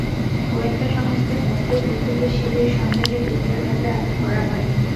গোয়েন্দা সংস্থার তথ্যের ভিত্তিতে শিবির সন্দেহে দুপুরে তাঁদের আটক করা হয়।